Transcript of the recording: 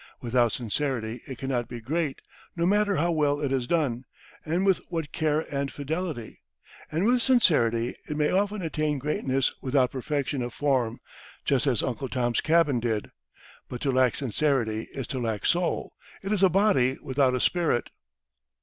Without sincerity it cannot be great, no matter how well it is done, with what care and fidelity; and with sincerity it may often attain greatness without perfection of form, just as "Uncle Tom's Cabin" did. But to lack sincerity is to lack soul; it is a body without a spirit.